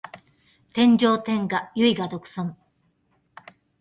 天上天下唯我独尊